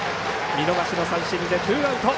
見逃しの三振でツーアウト。